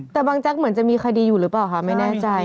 แต่บางแจ๊กเหมือนจะมีคดีอยู่หรือเปล่าคะไม่แน่ใจ